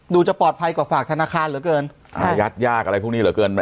จะปลอดภัยกว่าฝากธนาคารเหลือเกินอายัดยากอะไรพวกนี้เหลือเกิน